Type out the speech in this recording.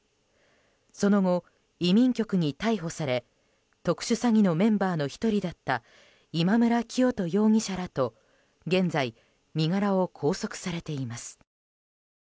その後、移民局に逮捕され特殊詐欺のメンバーの１人だった今村磨人容疑者らと現在、身柄を拘束されています。